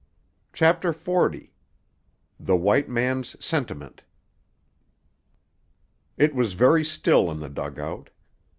CHAPTER XL—THE WHITE MAN'S SENTIMENT It was very still in the dugout.